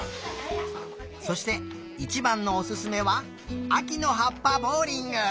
そしていちばんのおすすめはあきのはっぱボウリング。